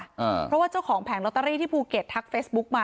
เพราะว่าเจ้าของแผงลอตเตอรี่ที่ภูเก็ตทักเฟซบุ๊กมา